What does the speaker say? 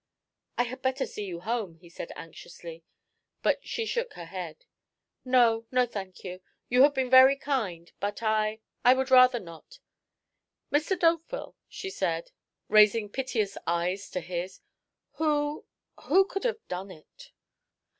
"I had better see you home," he said anxiously, but she shook her head. "No, no, thank you. You have been very kind, but I I would rather not. Mr. D'Hauteville," she said, raising piteous eyes to his "who who could have done it?"